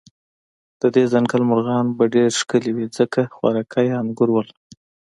د دې ځنګل مرغان به ډېر ښکلي و، ځکه خوراکه یې انګور ول.